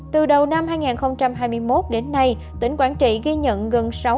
từ đầu năm hai nghìn hai mươi một đến nay tỉnh quảng trị ghi nhận gần